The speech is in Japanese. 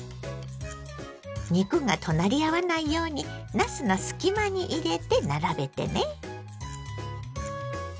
肉が隣り合わないようになすの隙間に入れて並べてね。